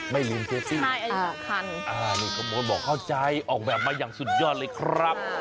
ไม่ลืมเฟสซี่นี่ขบวนบอกเข้าใจออกแบบมาอย่างสุดยอดเลยครับ